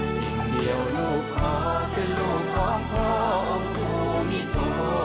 สิ้นเดียวลูกของค่ะเป็นลูกของพ่ออมพูพิพีตร